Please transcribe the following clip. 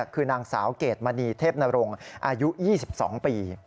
คือนางสาวเกรดมณีเทพนรงอายุ๒๒ปี